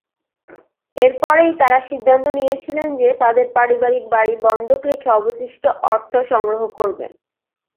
এরপরেই তারা সিদ্ধান্ত নিয়েছিলেন যে তাদের পারিবারিক বাড়ি বন্ধক রেখে অবশিষ্ট অর্থ সংগ্রহ করবেন।